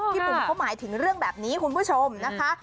บุ๋มเขาหมายถึงเรื่องแบบนี้คุณผู้ชมนะคะ